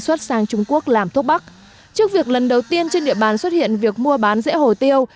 xuất sang trung quốc làm thuốc bắc trước việc lần đầu tiên trên địa bàn xuất hiện việc mua bán rễ hồ tiêu